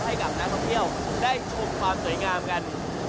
ให้กับนักท่องเที่ยวได้ชมความสวยงามกัน